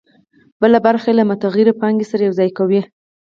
بله برخه یې له متغیرې پانګې سره یوځای کوي